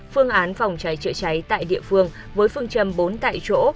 phương án phòng cháy chữa cháy tại địa phương với phương châm bốn tại chỗ